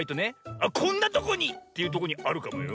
「あっこんなとこに！」っていうとこにあるかもよ。